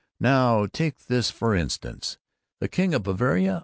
Now, take this for instance: The King of Bavaria?